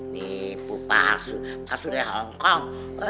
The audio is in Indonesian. nipu palsu palsu dari hongkong